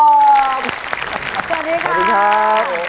สวัสดีครับ